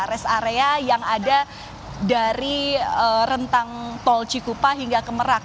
rest area yang ada dari rentang tol cikupa hingga ke merak